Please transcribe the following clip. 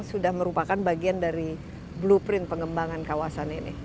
sudah merupakan bagian dari blueprint pengembangan kawasan ini